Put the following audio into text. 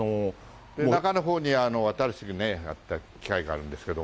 中のほうに新しくやった機械があるんですけど。